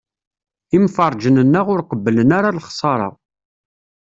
Imferrǧen-nneɣ ur qebblen ara lexṣara.